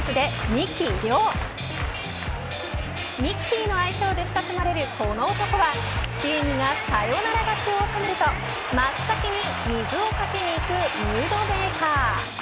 みきティーの愛称で親しまれるこの男はチームがサヨナラ勝ちを収めると真っ先に水をかけにいくムードメーカー。